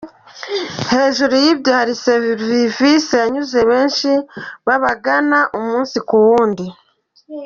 Hejuru y’ibyo hari serivisi yanyuze benshi babagana umunsi ku wundi.